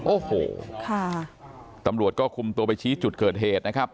โอ้โหค่ะตำรวจก็คุมตัวไปชี้จุดเกิดเหตุนะครับ